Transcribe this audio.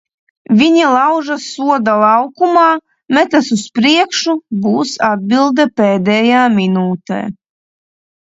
Viņi laužas soda laukumā, metas uz priekšu, būs atbilde pēdējā minūtē.